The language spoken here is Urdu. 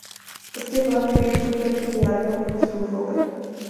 اس کے بعد پیٹ پوجا کی تیاریوں میں مصروف ہو گئے